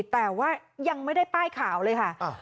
แต่ว่ายังไม่ได้ป้ายขาวเลยค่ะ